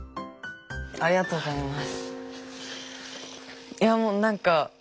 ありがとうございます。